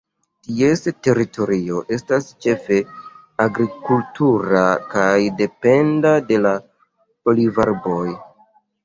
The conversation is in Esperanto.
Ties teritorio estas ĉefe agrikultura kaj dependa de la olivarboj.